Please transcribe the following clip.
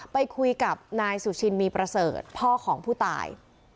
ไปคุยกับนายสุชินมีประเสริฐพ่อของผู้ตาย